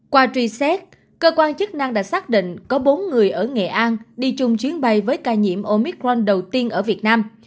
qua truy xét cơ quan chức năng đã xác định có bốn người ở nghệ an đi chung chuyến bay với ca nhiễm omicron đầu tiên ở việt nam